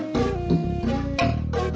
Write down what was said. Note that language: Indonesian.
aku pada dayton